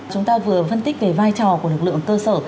chúng ta vừa phân tích về vai trò của lực lượng cơ sở